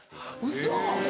ウソ！